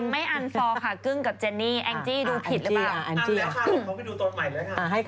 มีคนบอกยังไม่อันฟอร์ค่ะกึ้งกับเจนี่